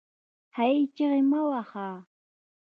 هې ! چیغې مه واهه